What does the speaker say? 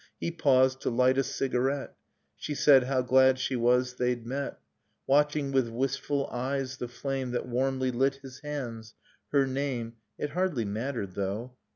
He paused, to Hght a cigarette. She said how glad she was they'd met : Watching with wistful eyes the flame That warmly lit his hands. — Her name — It hardly mattered though?